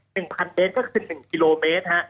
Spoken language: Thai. ๑๐๐๐เมตรก็คือ๑กิโลเมตรฮะ